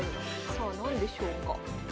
さあ何でしょうか。